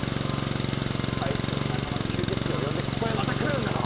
帰しても仲間の吸血鬼を呼んでここへまた来るんだろ！